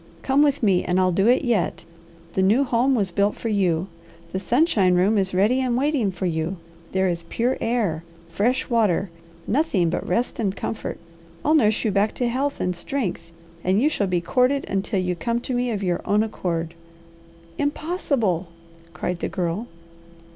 Come with me, and I'll do it yet. The new home was built for you. The sunshine room is ready and waiting for you. There is pure air, fresh water, nothing but rest and comfort. I'll nurse you back to health and strength, and you shall be courted until you come to me of your own accord." "Impossible!" cried the girl.